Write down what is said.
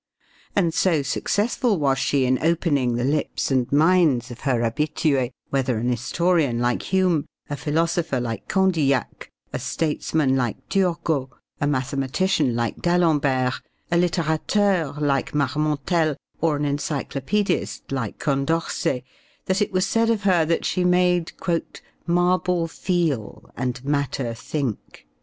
And so successful was she in opening the lips and minds of her habitués, whether an historian like Hume, a philosopher like Condillac, a statesman like Turgot, a mathematician like d'Alembert, a litterateur like Marmontel or an encyclopedist like Condorcet, that it was said of her that she made "marble feel and matter think."